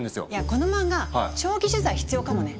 この漫画長期取材必要かもね。